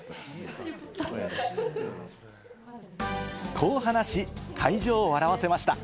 こう話し、会場を笑わせました。